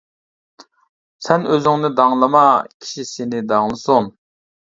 سەن ئۆزۈڭنى داڭلىما، كىشى سېنى داڭلىسۇن.